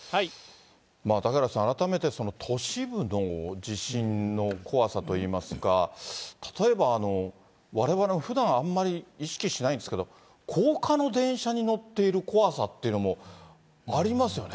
嵩原さん、改めて都市部の地震の怖さといいますか、例えばわれわれもふだんあんまり意識しないんですけれども、高架の電車に乗っている怖さっていうのもありますよね。